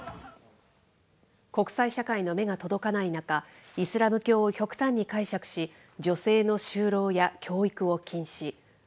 国際社会の目が届かない中、イスラム教を極端に解釈し、女性の就労や教育を禁止。